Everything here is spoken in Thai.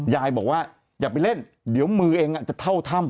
ยายบอกว่าอย่าไปเล่นเดี๋ยวมือเองจะเท่าถ้ำ